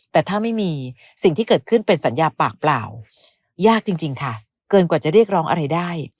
แต่ถ้าไม่มีสิ่งที่เกิดขึ้นเป็นสัญญาปากเปล่ายากจริงค่ะเกินกว่าจะเรียกร้องอะไรได้